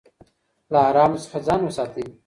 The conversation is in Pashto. له حرامو څخه ځان وساتئ.